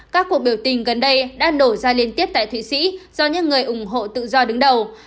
các cuộc biểu tình gần đây đã nổ ra liên tiếp tại thụy sĩ do những người ủng hộ tự do đứng đầu